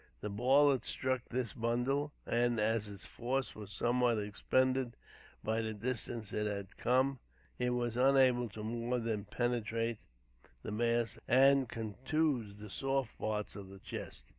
The ball had struck this bundle; and, as its force was somewhat expended by the distance it had come, it was unable to more than penetrate the mass and contuse the soft parts of the chest.